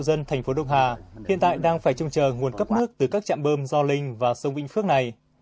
hai mươi sáu hộ dân thành phố đông hà hiện tại đang phải chung chờ nguồn cấp nước từ các chạm bơm do linh và sông vĩnh phước này